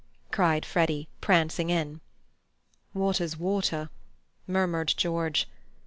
cried Freddy, prancing in. "Water's water," murmured George.